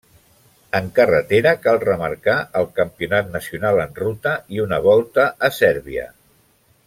En carretera cal remarcar el Campionat nacional en ruta i una Volta a Sèrbia.